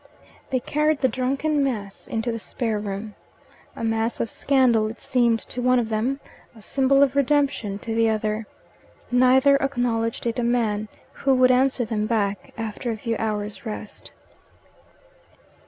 They carried the drunken mass into the spare room. A mass of scandal it seemed to one of them, a symbol of redemption to the other. Neither acknowledged it a man, who would answer them back after a few hours' rest.